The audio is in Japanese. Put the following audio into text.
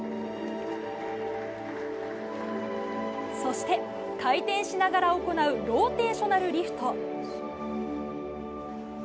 そして、回転しながら行うローテーショナルリフト。